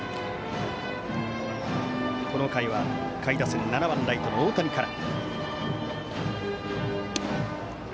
この回は下位打線７番ライトの大谷から。